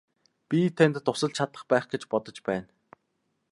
Би танд тусалж чадах байх гэж бодож байна.